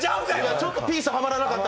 ちょっとピースはまらなかった。